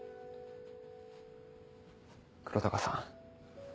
黒鷹さん。